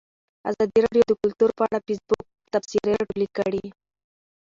ازادي راډیو د کلتور په اړه د فیسبوک تبصرې راټولې کړي.